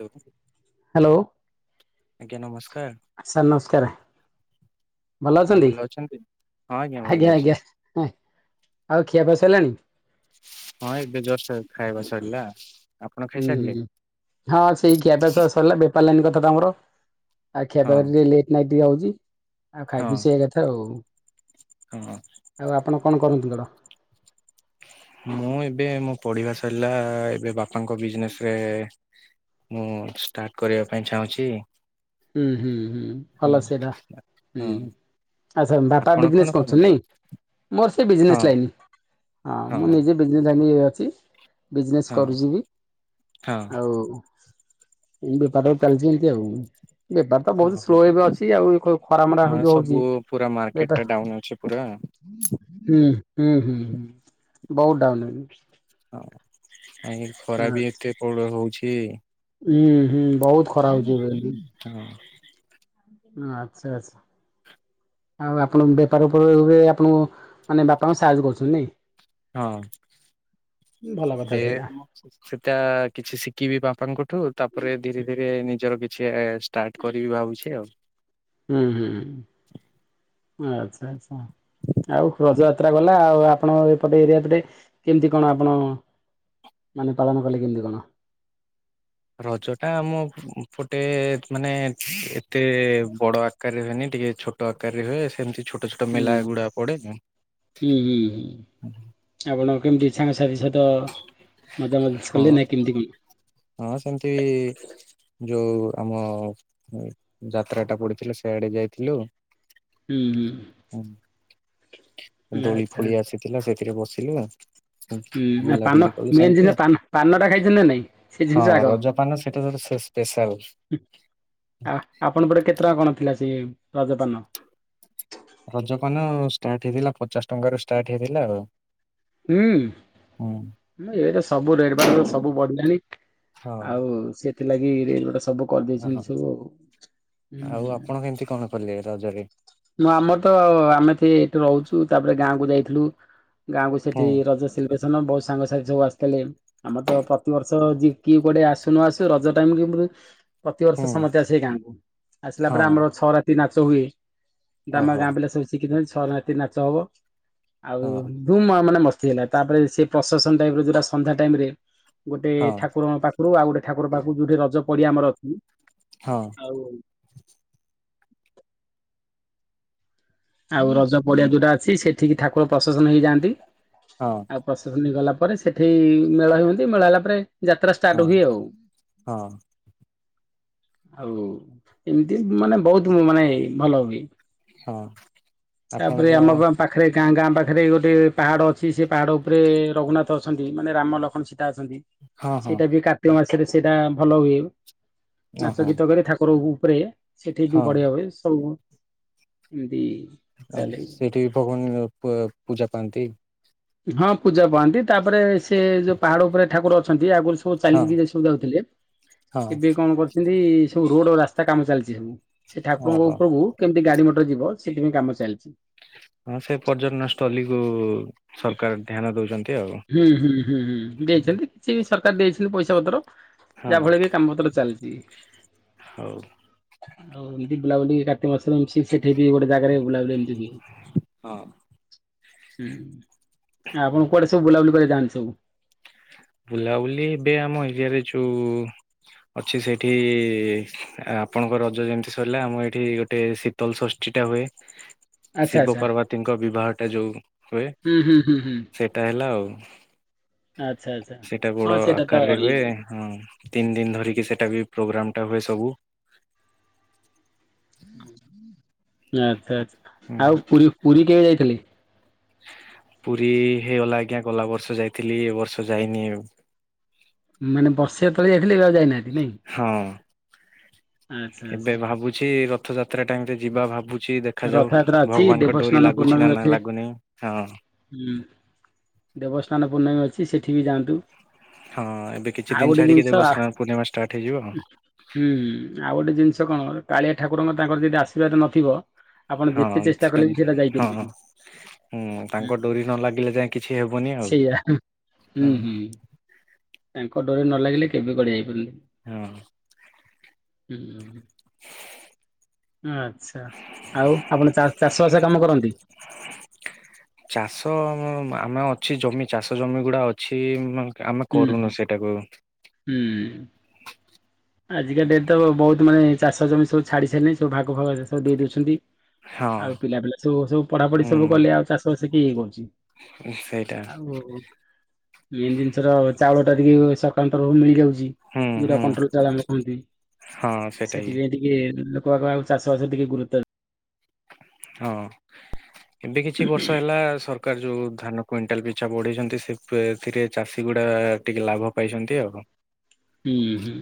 Hello hello. ଆଜଞା ନମକାର। Sir ନମସ୍କାର। ଭଲ ଅଛନ୍ତି? ହଁ ଭଲ ଆଜ୍ଞା ଅଛି ଆଜ୍ଞା। ଆଉ ଖିଆ ପସାରିଲାଣି? ହଁ ଏବେ ଯଷ୍ଟ ଖାଇବା ସରିଲା ଆପଣ ହୁଁ ହୁଁ ଖାଇସାରିଲେ? ହଁ ସେଇ ଖିଆପିଆ ସବୁ ସରିଲା ବେପାର ଲାଇନ କଥା ତମର? ଆଉ ଖ୍ଷ ହଁ ଟିକେ ଲେଟ୍ ନାଇଟ୍ ଟିକେ ହଉଛି। ଆଉ ହଁ ଖାଇବି ସେ କଥା ଆଉ ହଁ ଆଉ ଆପଣ କଣ କରନ୍ତିୁ କଟା ମୁଁ ଏବେ ମୁଁ ପଢିବା ସରିଲା ଏବେ ବାପାଙ୍କ ବିଜନେସ ରେ ମୁଁ ଷ୍ଟାର୍ଟ କରିବା ପାଇଁ ଚାହୁଁଛି। ହୁଁ ହୁଁ ହୁଁ ଭଲ ସେଇଟା ହୁଁ। ହଁ ଆଚଛା ବାପା ଆପଣ କଣ ବିଜନେସ କରନ୍ତି? କରୁଛନ୍ତିାଇଁ ମୋର ସେ ହଁ ବିଜନେସ ଲାଇନ। ହଁ ମୁଁ ନିଜେ ବିଜନେସ ଲାଇନରେ ଅଛି ବିଜନେସ୍ ହଁ କରୁଛିିବ ହଁ ଆଉ ଉଁ ବେପାର ଟାଲିଛି ଏମିତି ଆଉଁ ବେପାର ତ ବହୁତ ହଁ ସ୍ଲୋ ଏବେ ଅଛି ଆଉ ଖ ଖରା ମରା ହଁ ସବୁ ଯଉଛି ପୁରା ମାର୍କେଟ ବେ ଟା ତଃ ଡାଉନ ଅଛି ପୁରା ଉଁହ୍ ହୁଁ ହୁଁ ହୁଁ ବଉତ ଡାଉନ ହେଇଁ ହଁ କାଇଁ ଖରା ବି ଏତେ ପ୍ରଳ ହଉଛି ଉଁ ହୁଁ ବଉତ ଖରା ହେଉଚି ଏବେଇନ୍ତୁ ହଁ ଉଁ ଆଚ୍ଛା ଆଚ୍ ଆଉ ଆପଣଙ୍କ ବେପାରଉପଉଈବେ ଆପଣୁ ମାନେ ବାପାଙ୍କୁ ସାହାଯ୍ୟ କରୁଛନ୍ତି ନାଇଁ ହଁ। ଉଁ ଭଲ। କଥା ଦେ ସେଇଟା ମ [unintelligible] ତା କିଛି ଶିଖିବି ବାପାଙ୍କଠୁ ତାପରେ ଧୀରେ ଧୀରେ ନିଜର କି ଚେ ଏ ଏସ୍ ଷ୍ଟାର୍ଟ କରିବି ଭାବୁଛି ଆଉ ଉଁ ହୁଁ ଆଚ୍ଛା ଆଛା ଆଉ ଖଯା ତ୍ରା ଗଲା ଆଉ ଆପଣ ଏପଟେ ଏରିଆ ପଟେ କେମିତି କଣ ଆପଣ? ମାନେ ପାଳନ କଲେ କେମତି କଣ? ରଜ ଟା ଆମ ଫୁଟେ ମାନେ ତେଏ ବଡ ଆକାରରେ ହୁଏନି ଟିକେ ଛୋଟ ଆକାରରେ ହୁଏ ସେମିତି ଛୋ [unintelligible] ହୁଁ ହୁଁ ହୁଁ ଚା ଆପଣ କେମତି ସାଙ୍ଗସାଥି ସତଅ ହଁ ହଁ ସେମତି ଯୋଉ ଆମ ଉ ଯାତ୍ରାଟା ପଡିଥିଲା ସେଆଡେ ଯାଇଥିଲୁ। ଉଁ ହୁଁ ଦୋଳି ଆଚ୍ଛା ଫୋଳି ଆସିଥିଲା ସେଥିରେ ବସିଲ ନା ହୁଁ ନା ପାନ ବୁଲାବୁଲି କଲି ମେନ୍ ଜିନିଷ ସେମତି ପାନ ପାନଟା ଖାଇଛନ୍ତି ନା ନାଇଁ ସେ ଜିନିଷ ହଁ ଆଗ। ରଜପାନ ସେଟା ତ ଥସ ପେଶାଲପ୍ସ ଉଁହ ଆହ୍ ଆପଣ ପଟେ କେତେ ଟଙ୍କା କଣ ଥିଲା ସିଏ ରଜପାନ ରଜ ପାନଅ ଷ୍ଟାର୍ଟ ହେଇଥିଲା ପଚାଶ ଟଙ୍କାରୁ ଷ୍ଟାର୍ଟ ହେଇଥିଲା ଆଉ ଉଁ ହୁଁ। ମ ଇଡ଼େ ସବୁ ରେଡ୍ ବାଡ୍ ସବୁ ବଢିଲାଣି ହଁ ଆଉ ସେଥିଲାଗି ରେଜ୍ ବଟା ସବୁ ଓହୋ କରିଦେଇଛନ୍ତି ସବୁ ଆଉ ହୁଁ ଆଉ ହୁଁ ଆପଣ କେମିତି କଣ କଲେ ରଜରେ? ନୂଆମ ତ ଆମେ ଥେ ଏ ରହୁଛୁ ତାପରେ ଗାଁ କୁ ଯାଇ ଥ୍ଲୁ ଗାଁ କୁ ସେଥି ହୁଁ ରଜସ୍ ଝଉ ଆସଥିଲେ ଆମର ତ ପ୍ରତିବର୍ଷ ଜି କିଏ କୁଆଡ଼େ ଆସୁ ନଆସୁ ରଜ ଟାଇମଇବୃ ହୁଁ ପ୍ରତିିବର୍ଷ ସମସ୍ତେ ଆସେ ଗାଁକୁ ଆସିଲା ହଁ ପରେ ଆମର ଛଅ ରାତି ନାଚ ହୁଏ ଦାମା ଓହୋ ଗାଁ ପିଲା ସବୁ ଶିଖିଥାନ୍ତି ଛଅ ନାତି ନାଚ ହବ ଆଉ ହଁ ଦୁମ୍ ମାଓମାନେ ମସ୍ ହେଇଲା ତାପରେ ସେ ପ୍ରଶେସନ୍ ଟାଇପରୋ ଯଟା ସନ୍ଧ୍ୟା ଟାଇମ ରେ ଗୋଟେ ହଁ ଠାକୁରଙ୍କ ପାଖ ପୃ ଆଉ ଗୋଟେ ଠାକୁର ପାଖୁ ଯୋଉଠି ରଜ ପଡିଆ ଆମର ଅଛି ହଁ ଆଉ ଆଉ ରଜ ପଡିଆ ଯୋଉଟା ଅଛି ସେଥିକି ଠାକୁର ପ୍ରଶେସନ ହେଇଯାଆନ୍ତି ହଁ ଆଉ ପ୍ରଶେସନି ଗଲା ପରେ ସେଠେଇ ମେଳା ହୁଅନ୍ତି ମେଳ ହେଲା ପରେ ଯାତ୍ରା ଷ୍ଟାର୍ଟ ହଁ ହୁଏ ଆଉ ହଁ ଆଉ ଏମିତି ମାନେ ବହୁତ ମୁଁ ମାନେ ଭଲ ହୁଏ ହଁ ତାପରେ ଆପଣଙ୍କ ଆମବଂ ପାଖ୍ ରେ ଗାଁ ଗାଁ ପାଖ୍ ରେ ଗୋଟେ ପାହାଡ ଅଛି ସେ ପାହାଡ଼ ଉପ୍ ରେ ରଘୁନାଥ ଅଛନ୍ତି ମାନେ ରାମ ଲକ୍ଷଣ ଶୀ ତା ଅଛନ୍ତି ହଁ ହଁ ସେଇଟା ବି କାର୍ତ୍ତିକ ମାସରେ ସେଇଟା ଭଲ ହୁଏ ଚା ନାଚ ଓହୋ ଗୀତ କରେ ଠାକୁରକୁ ଉପ୍ ରେ ସେଠି ବି ହଁ ବଢିଆ ହୁଏ ସଉଁ ଇମ୍ଦି ଆସ୍ ସେଠି [unintelligible] ପ୍ ପୂଜା ପାଆନ୍ତି ହଁ ପୂଜା ପାଆନ୍ତି ତାପରେ ସେ ଯ ପାହାଡ ଉପରେ ଠାକୁର ଅଛନ୍ ଯେ ଆଗୁରୁ ସବୁ ହଁ ଚାଲିକି ଯେସବୁ ଯାଉଥିଲେ ହଁ ଏବେ କଣ କରିଛନ୍ତି ସଉ ରୋଡ ଆ ରାସ୍ତା କାମ ଚାଲିଛି ସଉ ସେ ଠାକୁରଙ୍କ ଓହୋ ଉପକୁ କେମିତି ଗାଡି ମଟର ଯିବ ସେଥିପାଇଁ କାମ ଚାଲିଛି ହଁ ସେ ପର୍ଯ୍ୟନ ସ୍ଥଲୀକୁୁ ସରକାର ଧ୍ୟାନ ଦଉଛନ୍ତି ଆଉ ହୁଁ ହୁଁ ହୁଁ ହୁଁ ଦେଇଛନ୍ତି, କିଛି ବି ସରକାର ଦେଇଛନ୍ତି, ପଇସା ପତ୍ର ହଁ ଯାହା ଫଳରେ କି କାମ ପତ୍ର ଚାଲି ଉଁ। ହଉ। ଆଉ ଏମତି ବୁଲାବୁଲି କାର୍ତ୍ତିକ ମାସ ସେ ସେଥିରେ ବି ଗୋଟେ ଜାଗାରେ ବୁଲାବୁଲି ଏମତି ହୁଏ। ହଁ [inaudible] ହୁଁ ଆପଣ କୁଆଡେ ସବୁ ବୁଲାବୁଲି କରିଯାଆନ୍ତି ସବୁ। ବୁଲାବୁଲି ଏବେ ଆମ ଏରିଆରେ ଯଉ ଅଛି ସେଇଠି ଆପଣଙ୍କ ରଜ ଯେମିତି ସରିଲା। ଆମ ଏଇଠି ଗୋଟେ ଶୀତଲ ଷଷ୍ଠୀ। ସେଟା ହୁଏ। ଆଚ୍ଛା ଶିବ ଆଚ୍ଛା ପାର୍ବତୀଙ୍କ ବିବାହ ଟା ଯୋଉ ହୁଏ, ହୁଁ ହୁଁ ହୁଁ ହୁଁ ସେଇଟା ହେଲା ଆଉ। [inaudible] ଆଚ୍ଛା ଆଚ୍ଛା ସେଇଟା ବଡ ହଁ ସେଇଟା ତ ଆକାରରେ ହୁଏ! ଇଏ ହଁ ତିନି ଦିନ ଧରିକି ସେଟା ବି ପ୍ରୋଗ୍ରାମ ଟା ହୁଏ ସବୁ। [inaudible] ଆଚ୍ଛା ଆଛା ହୁଁ ଆଉ ପୁ ପୁରୀ କେବେ ଯାଇଥିଲେ। ପୁରୀ ହେଇଗଲା ଆଜ୍ଞା ଗଲା ବର୍ଷ ଯାଇଥିଲି। ଏ ବର୍ଷ ଯାଇନି। ମାନେ ବର୍ଷେ ତଳେ ଯାଇଥିଲେ! ଏବେ ଆଉ ଯାଇନାହାନ୍ତି ନାଇଁ। ହଁ। ଆଚ୍ଛା ଏବେ ଆଚ୍ଛା ଭାବୁଛି, ରଥଯାତ୍ରା ଟାଇମ୍ ରେ ଯିବା ଭାବୁ ଛି, ଦେଖାଯାଉ ରଥଯାତ୍ରା ଅଛି ଭଗବାନଙ୍କ ଡୋରି ଦେବସ୍ନାନ ଲାଗୁଛି ପୂର୍ଣ୍ଣମୀ ନା ନାଁ ଅଛି। ଲାଗୁନି ହଁ। ଦେବସ୍ଥାନ ପୂର୍ଣ୍ଣମୀ ଅଛି ସେଠି ବି ଯାଆନ୍ତୁ। ହଁ ଏବେ କିଛି ଆଉ ଦିନ ଗୋଟେ ଛାଡିକି ଜିନିଷ ଆ ଦେବସ୍ନାନ ପୂର୍ଣ୍ଣିମା ଷ୍ଟାର୍ଟ ହେଇଯିବ ଆଉ। ହୁଁ ହୁଁ ଆଉ ଗୋଟେ ଜିନିଷ କଣ, କାଳିଆ ଠାକୁରଙ୍କ ତାଙ୍କର ଯଦି ଆଶୀର୍ବାଦ ନଥିବ ଆପଣ ହଁ ଯେତେ ଚେଷ୍ଟା ସେଟା କଲେ ବି ସେଇଟା ହଁ। ଯାଇପାରିବେନି। ହୁଁ ତାଙ୍କ ଡୋରି ନ ଲାଗିଲେ ଯାଏ କିଛି ହେବନି ଆଉ। ସେଇଆ ହୁଁ ହଁ ହୁଁ ତାଙ୍କ ଡୋରି ନ ଲାଗିଲେ କେବେ କୁଆଡ଼େ ଯାଇପାରିବନି। ହଁ। ଉଁ, ହୁଁ। [inaudible] ଅ, ଆଚ୍ଛା ଆଉ ଆପଣ ଚା ଚାଷ ବାସ କାମ କରନ୍ତି? ଚାଷ ଆମେ ଅଛି, ଜମି ଚାଷ ଜମି ଗୁଡା ଅଛି। ଉମ୍ ଆମେ ହୁଁ ହୁଁ। କରୁନୁ ସେଟାକୁ। ହୁଁ ଆଜିକା ଡେଟ୍ ତ ବହୁତ ମାନେ ଚାଷ ଜମି ସବୁ ଛାଡ଼ି ସାରିଲେଣି! ସବୁ ଭାଗ ଫାଗ ଏ ସବୁ ଦେଇ ଦେଉଛନ୍ତି। ହଁ ଆଉ ପିଲା ପିଲା ସବୁ ସବୁ ପଢାପଢି ହୁଁ ସବୁ କଲେ। ଆଉ ଚାଷ ବାସ କିଏ ଇଏ କରୁ ଚି, ସେଇଟା ଆଉ ମେନ୍ ଜିନିଷ ର ଚାଉଳ ଟା ଟିକେ ସରକାରଙ୍କ ତରଫରୁ ମିଳିଯାଉଚି। ହୁଁ ଯୋଉଟା ହୁଁ କୋଣ୍ଟ୍ରଲ [unintelligible] ହଁ ସେଇଟା ହିଁ ସେଥିପାଇଁ ଟିକେ ଲୋକବାକ ଆଉ ଚାଷବାସରେ ଟିକେ ଗୁରୁତର ହଁ ଏବେ କିଛି ବର୍ଷ ହେଲା ସରକାର ଯୋଉ ଧାନ କୁଇଣ୍ଟାଲ ପିଛା ବଢେଇଛନ୍ତି। ସେ ପେ ଏଥିରେ ଚାଷୀ ଗୁଡା ଟିକେ ଲାଭ ପାଇଛନ୍ତି ଆଉ କଣ। ହୁଁ, ହୁଁ।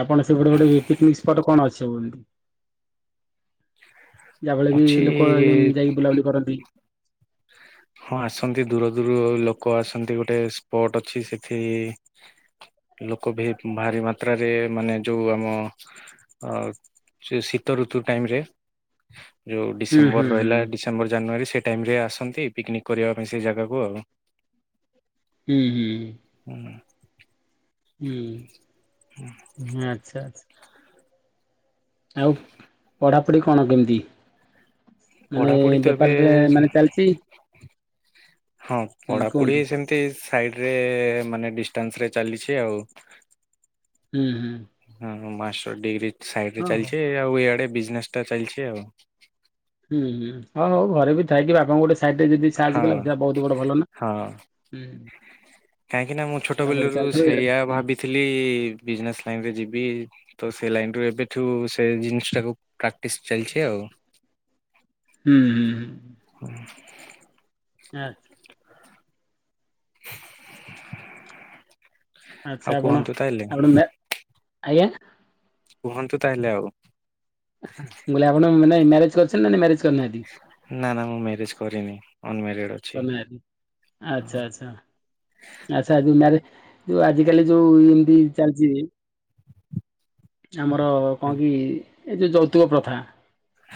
ଆପଣ ସେପଟେ ଗୋଟେ ପିକନିକ୍ ସ୍ପଟ୍ କଣ ଅଛି, ସବୁ ଏମିତି? ଯାହା ଫଳରେ ଅଛି କି ଲୋକ ଯାଇକି ବୁଲାବୁଲି କରନ୍ତି। [inaudible] ହଁ ଆସନ୍ତି, ଦୂର ଦୂରରୁ ଲୋକ ଆସନ୍ତି। ଗୋଟେ ସ୍ପଟ୍ ଅଛି ସେଠି ଲୋକ ବି ଭାରି ମାତ୍ରାରେ ମାନେ ଯୋଉ ଆମ ଅ, ସେ ଶୀତ ଋତୁ ଟାଇମ୍ ରେ ଯୋଉ ହୁଁ ଡିସେମ୍ବର ହୁଁ ହୁଁ ରହିଲା ଡିସେମ୍ବର, ଜାନୁଆରୀ ସେ ଟାଇମ୍ ରେ ଆସ ସନ୍ତି, ପିକନିକ କରିବା ପାଇଁ ସେ ଜାଗାକୁ ଆଉ। ହୁଁ, ହୁଁ। ହୁଁ। ହୁଁ, ଆଚ୍ଛା ଆଚ୍ଛା। ଆଉ ପଢାପଢି କଣ କେମିତି? ମାନେ ପଢାପଢି ତ ଏବେ ବେପାରରେ ମାନେ ଚାଲିଚି। ହଁ ପଢାପଢି ସେମତି ସାଇଡ୍ ରେ ମାନେ ଡିଷ୍ଟାନ୍ସ ରେ ଚାଲିଛି ଆଉ। ହୁଁ, ହୁଁ। ହଁ ମାଷ୍ଟର ଡିଗ୍ରୀ ସାଇଡ୍ ରେ ହଁ ହଁ। ଚାଲିଛି। ଆଉ ଇଆଡେ ବିଜନେସ୍ ଟା ଚାଲିଛି ଆଉ। ହୁଁ, ହୁଁ ହଉ, ହଉ ଘରେ ବି ଥାଇକି ବାପାଙ୍କୁ ଗୋଟେ ସାଇଟି ରେ ଯଦି ହଁ ସାହାଯ୍ୟ କଲସେଟା ବହୁତ ବଡ ଭଲ ହଁ। ନା। କାହିଁକି ନା ମୁଁ ଛୋଟ ପଢାପଢି ବେଲରୁ ଚାଲିଥିବ ଇଆଡେ ସେଇୟା ହୁଁ ଭାବିଥିଲି, ବିଜନେସ୍ ଲାଇନ୍ ରେ ଯିବି ତ ସେ ସେ ଲାଇନ୍ ରୁ ଏବେଠୁ ସେ ଜିନିଷ ଟାକୁ ପ୍ରାକ୍ଟିସ୍ ଚାଲିଛି ଆଉ। ହୁଁ, ହୁଁ, ହୁଁ। ଆଚ୍ଛା। ଆଚ୍ଛା ଆଉ ଆପଣ କୁହନ୍ତୁ ତାହେଲେ ଆପଣ ମେ, ଆଜ୍ଞା? କୁହନ୍ତୁ ତାହେଲେ ଆଉ। ମୁଁ କହିଲି ଆପଣ ନାଇଁ ମ୍ୟାରେଜ୍ କରିଛନ୍ତି ନାଇଁ ମ୍ୟାରେଜ୍ କରିନାହାନ୍ତି? ନା ନା ମୁଁ ମ୍ୟାରେଜ୍ କରିନି ଅନମ୍ୟାରେଡ଼୍ ଅଛି। କରିନାହାନ୍ତି ଆଚ୍ଛା ଆଚ୍ଛା ଆଚ୍ଛା ଯୋଉ ମ୍ୟାରେ, ଯୋଉ ଆଜି କାଲି ଯୋଉ ଏମତି ଚାଲିଚି [inaudible] ଆମର କଣ କି ଏ ଯୋଉ ଯୌତୁକ ପ୍ରଥା।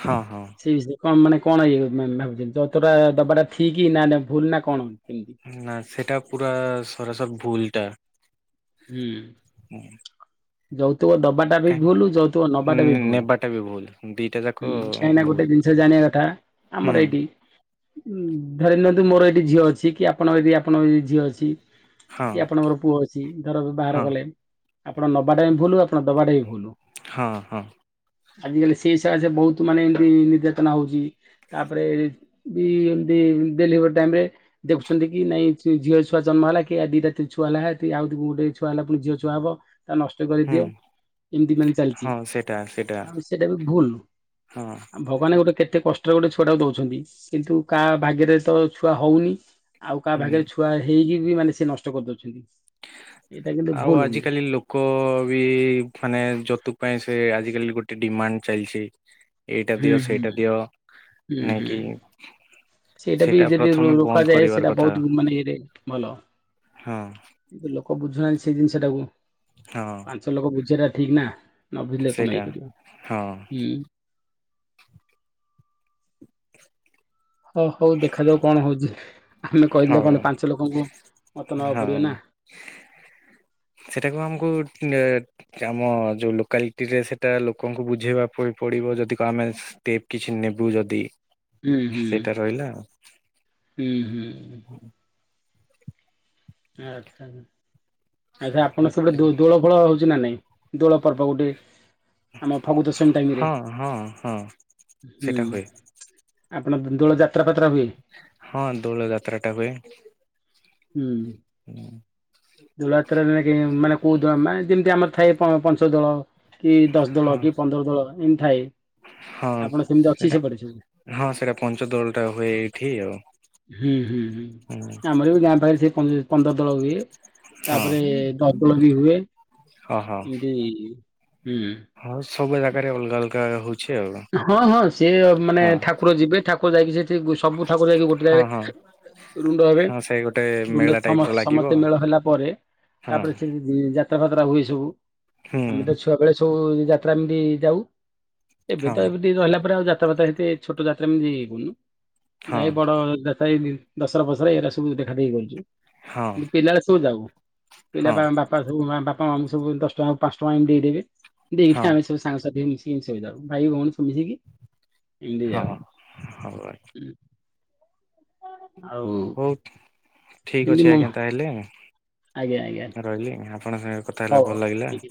ହଁ, ହଁ। ସେଇ ବିଷୟରେ କଣ? ମାନେ କଣ? ଇଏ ଭାବିଚନ୍ତି ଯୌତୁକ ଦବା ଟା ଠିକ ନା ନା ଭୁଲ ନା କଣ? କେମିତି? ନା ସେଟା ପୁରା ସରସ ଭୁଲ ଟା। ହୁଁ। ଓ ହୋ। ଯୋଉ ତୁକ ଦବାଟା ବି ଭୁଲ। ଯୗତୁକ ନବାଟା ବି ଭୁଲ। ନେବାଟା ବି ଭୁଲ ଦିଟା ଯାକ ହୁଁ କାହିଁନା ଭୁଲ ଗୋଟେ ଜିନିଷ ଜାଣିବା କଥାଟା ଆମର ହୁଁ। ଏଇଠି। ଉଁ ଧରି ନିଅନ୍ତୁ ମୋର ଏଇଠି ଝିଅ ଅଛି କି ଆପଣଙ୍କର ଏଠି ଆପଣଙ୍କ ଏ ଝିଅ ଅଛି। ହଁ କି ଆପଣଙ୍କର ପୁଅ ଅଛି ଧର ବାହାଘର ହଁ କଲେ ଆପଣ ନବାଟା ବି ଭୁଲ୍ ଆପଣ ଦବାଟାଵି ଭୁଲ୍ ହଁ ହଁ ଆଜ କାଲି ସେଇ ସାଶେ ବହୁତ ମାନେ ଏମତି ନିର୍ଯାତନା ହଉଛି। ତାପରେ ବି ଏମତି ଡେଲିଭରି ଟାଇମ ରେ ଦେଖୁଛନ୍ତି କି ନାଇଁ ଝିଅ ଛୁଆ ଜନ୍ମ ଜନ୍ମ ହେଲା କି ଦିଟା ଛୁଆ ହେଲା ଆଉ ଗୋଟ ଛୁଆ ହେଲା ପୁଣି ଝିଅ ଛୁଆ ହବ। ତା ନଷ୍ଟ ହୁଁ କରିଦିଅ ଏମିତି ମାନେ ଚାଲିଛି। ହଁ ସେଇଟା ସେଇଟା ଆଉ ସେଟା ବି ଭୁଲ, ହଁ ଆଉ ଭଗବାନ ଗୋଟେ କେତେ ଏତେ କଷ୍ଟରେ ଗୋଟେ ଛୁଆଟାକୁ ଦଉଛନ୍ତି, କିନ୍ତୁ କାହା ଭାଗ୍ୟରେ ତ ଛୁଆ ହଉନି। ଆଉ କାହା ହୁଁ। ଭାଗରେ ଛୁଆ ହେଇକି ବି ମାନେ ସେ ନଷ୍ଟ କରିଦଉଛନ୍ତି। ଏଇଟା କିନ୍ତୁ ଆଉ ଭୁଲ ହୁଏ। ଆଜିକାଲି ଲୋକ ବି ମାନେ ଯତୁ ପାଇଁ ସେ ଆଜିକାଲି ଗୋଟେ ଡିମାଣ୍ଡ ଚାଲିଛି। ଏଇଟା ହୁଁ ଦିଅ ହୁଁ ସେଇଟା ଦିଅ ହୁଁ ହୁଁ ନେଇକି ସେଇଟା ବି ଯଦି ରୋକାଯାଏ, ସେଇଟା କଥା ବହୁତ ମାନେ ଇରେ ଭଲ। ହଁ ଏଇ ଲୋକ ବୁଝୁ ବୁୁଝୁନାହାନ୍ତି ସେଇ ଜିନିଷଟାକୁ, ହଁ ପାଞ୍ଚ ଲୋକ ବୁଝିବାଟା ଠିକ ନା। ନ ବୁଝିଲେ କଣ ସେଇଟା ହେଇ ପାରିବା ହଁ ହୁଁ। ହଁ ହଉ ଦେଖାଯାଉ କଣ ହଉଛି, ଆମେ ହଉ କହିଦେଲେ କଣ ପାଞ୍ଚ ଲୋକଙ୍କୁ ମତେ ନେବାକୁ ହଁ ପଡିବ ନା। [inaudible] ସେଟାକୁ ଆମକୁ ଆମ ଯୋଉ ଲୋକାଲିଟି ରେ ସେଟା ଲୋକଙ୍କୁ ବୁଝେଇବା ପରେ। ପଡ଼ିବ ଯଦି କ ଆମେ ଷ୍ଚେପ୍ କିଛି ନେବୁ ଯଦି। ହୁଁ ସେଇଟା ରହିଲା ହୁଁ ଆଚ୍ଛା ଆଚ୍ଛା ଆପଣଙ୍କ ସେ ପଟେ ଦୋଳ ଫୋଳ ହଉଛି ନା ନାଇଁ। ଦୋଳପର୍ବ ଗୋଟେ ଆମ ଫଗୁ ଦଶମୀ ଟାଇମରେ ହଁ ହଁ ହଁ ହୁଁ ସେଇଟା ହୁଏ ଆ ଦୋଳ ଯାତ ହଁ ଦୋଳ ଯାତ୍ରା ଟା ହୁଏ ହୁଁ ଦୋଳାତ୍ରା ମାନେ କୋହୁ ମାନେ ଯେମିତି ଆମର ଥାଏ ପାଞ୍ଚ ଦଳ କି ଦଶ ଦଳ ହଁ କି ପନ୍ଦର ଦଳ ଏମିତି ଥାଏ ହଁ ଆପଣ ସେମିତି ଅଛି ସେଟା ସେପଟେ ସବୁ? ହଁ ସେଟା ପଞ୍ଚଦୋଳ ଟା ହୁଏ ଏଇଠି ଆଉ ହୁଁ ହୁଁ ହୁଁ ଆମର ଏ ବି ଗାଁ ପାଖରେ ସେ ପନ୍ଦର ଦଳ ହୁଏ ହଁ ତାପରେ ଦଶଳ ବି ହୁଏ ହଁ ହଁ ଏମତି ହୁଁ ଅଲଗାଲଗା ହଉ ହଁ ହଁ ସିଏ ମାନେ ଠାକୁର ଯିବେ ଠାକୁର ଯାଇକି ସେ ସେ ସବୁ ଠାକୁର ଯାଇକି ଗୋଟେ ହଁ ଜାଗାରେ ହଁ ରୁଣ୍ଡ ହେବେ ହଁ ସେଇ ଗୋଟେ ରୁଣ୍ଡ ମେଳା ଟାଇପ ସମ ର ଲାଗିବ ସମସ୍ତେ ମେଳ ହେଲା ପରେ ହଁ ତାପରେ ସେ ଯାତ୍ରା ଫାତ୍ରା ହୁଏ ସବୁ ହୁଁ ଆମେ ତ ଛୁଆ ବେଳେ ସବୁ ଯାତ୍ରା ଏମିତି ଯାଉ ଏବେ ହଁ। ତ ଏମିତି ରହିଲା ପରେ ଆଉ ଯାତ୍ରାବାତା ହେତେ ଛୋଟ ଯାତ୍ରା ଏମତି ହୋଇନି ହଁ ଯାଇ ବଡଯାତ୍ରା ସେଇ ଦଶରା ବସରା ଏଇରା ସବୁ ଦେଖାଦେଖି କରୁଛୁ ହଁ କିନ୍ତୁ ପିଲା ବେଳେ ସବୁ ଯାଉ ପିଲା ହଁ ବାପା ସବୁ ବାପା ମାଙ୍କୁ ସବୁ ଦଶ ଟଙ୍କା ପାଂଶ ଟଙ୍କା ସବୁ ଏମିତି ଦେଇଦେବେ ଦେଇ ହଁ ଆମେ ସବୁ ସାଙ୍ଗସାଥି ମିଶିମୁ ସା ଭାଇ ଭଉଣୀ ସବୁ ମିଶିକି। ହଡି ଯଅ ହଁ ହଉ [unintelligible] ଆଉ ହଉ ଠିକ୍ ଏମିତି ଅଛି ମ ଆଜ୍ଞା ତାହେଲେ ଆଜ୍ଞା ଆଜ୍ଞା ରହିଲି ଆପଣଙ୍କ ସାଙ୍ଗେ କଥା ହେଲେ ହଉ ଭଲ ହଉ ଲାଗିଲା ଠିକ୍ ଅଛି